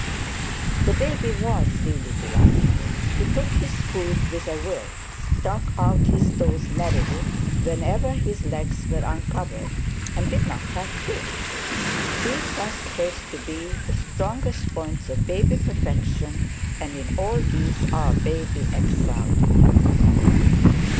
The baby was really delightful; he took his food with a will, struck out his toes merrily whenever his legs were uncovered, and did not have fits. These are supposed to be the strongest points of baby perfection, and in all these our baby excelled.